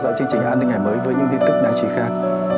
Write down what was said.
theo dõi chương trình an ninh ngày mới với những tin tức đáng chí khác